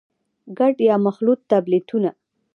ګډ يا مخلوط ټابليټونه: